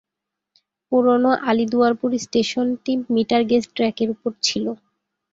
পুরনো আলিপুরদুয়ার স্টেশনটি metre gauge ট্র্যাকের উপর ছিল।